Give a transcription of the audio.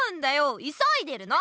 いそいでるの！